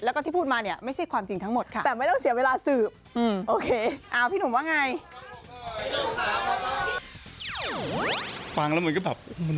แล้วก็ที่พูดมาเนี่ยไม่ใช่ความจริงทั้งหมดค่ะ